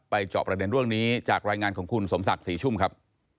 จอบประเด็นเรื่องนี้จากรายงานของคุณสมศักดิ์ศรีชุ่มครับ